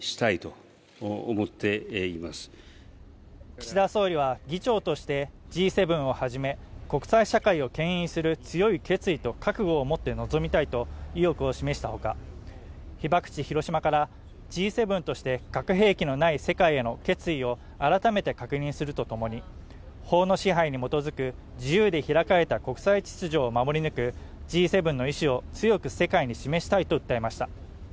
岸田総理は議長として、Ｇ７をはじめ、国際社会を牽引する強い決意と覚悟を持って臨みたいと意欲を示したほか、被爆地・広島からＧ７として、核兵器のない世界への決意を改めて確認するとともに、法の支配に基づく自由で開かれた国際秩序を守り抜く、Ｇ７の意思を強く世界に示したいと訴えました。